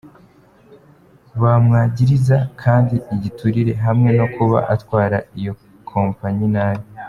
Bamwagiriza kandi igiturire hamwe no kuba atwara iyo kompanyi nabi.